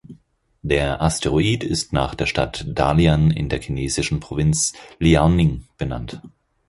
Der Asteroid ist nach der Stadt Dalian in der chinesischen Provinz Liaoning benannt.